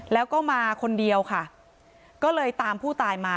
แล้วก็มาคนเดียวค่ะก็เลยตามผู้ตายมา